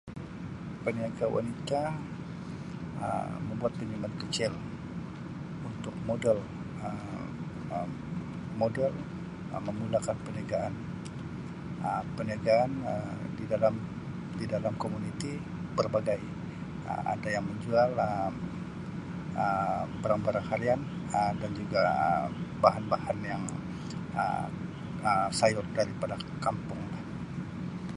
Peniaga wanita Um membuat pinjaman kecil untuk modal Um modal Um menggunakan perniagaan Um perniagaan Um di dalam-di dalam komuniti perbagai, Um ada yang menjual Um barang-barang harian Um dan juga Um bahan-bahan yang Um sayur daripada k-kampung lah.